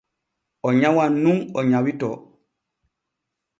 O nyawan nun o nyawitoo.